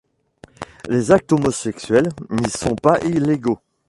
Les actes homosexuels n'y sont pas illégaux.